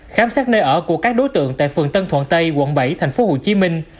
khám xét nơi ở của các đối tượng tại phường tân thuận tây quận bảy thành phố hồ chí minh